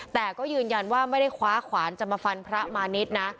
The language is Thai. แต่ก็ยืนยันว่าไม่ได้คว้าขวานจะมาฟันพระมาณิชย์นะ